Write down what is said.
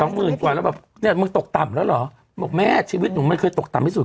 หมื่นกว่าแล้วแบบเนี้ยมึงตกต่ำแล้วเหรอบอกแม่ชีวิตหนูมันเคยตกต่ำที่สุด